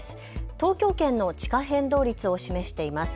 東京圏の地価変動率を示しています。